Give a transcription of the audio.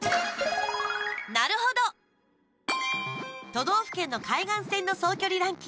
都道府県の海岸線の総距離ランキング。